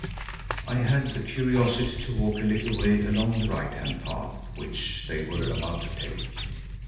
I had the curiosity to walk a little way along the right hand path which they were about to take.